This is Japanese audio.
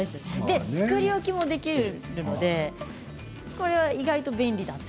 作り置きもできるので意外と便利です。